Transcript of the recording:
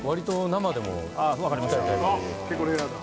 結構レアな。